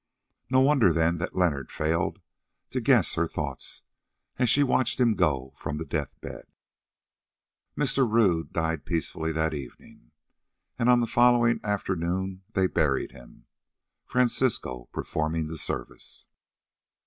No wonder, then, that Leonard failed to guess her thoughts, as she watched him go from the death bed. Mr. Rodd died peacefully that evening, and on the following afternoon they buried him, Francisco performing the service.